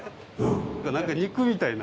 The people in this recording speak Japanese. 何か肉みたいな。